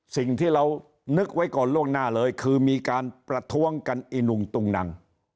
สิ่งที่เรานึกไว้ก่อนล่วงหน้าเลยคือมีการประท้วงกันอีนุงตุงนัง